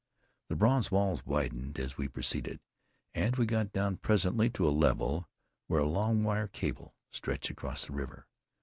The bronze walls widened as we proceeded, and we got down presently to a level, where a long wire cable stretched across the river.